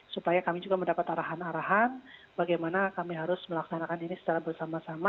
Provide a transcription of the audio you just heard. supaya kami juga mendapat arahan arahan bagaimana kami harus melaksanakan ini secara bersama sama